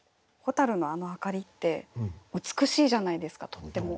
蛍のあの明かりって美しいじゃないですかとっても。